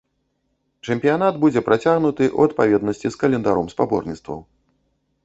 Чэмпіянат будзе працягнуты ў адпаведнасці з календаром спаборніцтваў.